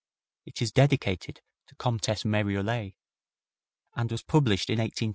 It is dedicated to Comtesse Moriolles, and was published in 1827